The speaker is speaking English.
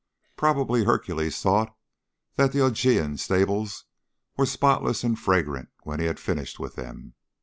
Probably Hercules thought the Augean stables were spotless and fragrant when he had finished with them.